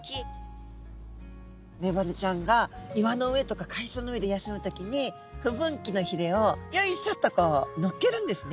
メバルちゃんが岩の上とか海藻の上で休む時に不分岐のひれをよいしょとこうのっけるんですね。